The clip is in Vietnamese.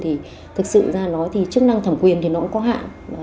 thật ra nói thì chức năng thẩm quyền thì nó cũng có hạn